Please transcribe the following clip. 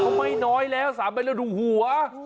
เขาไม่น้อยแล้ว๓เมตรแล้วดูหัว